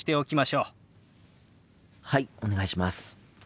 はいお願いします。